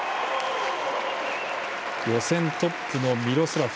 予選トップのミロスラフ。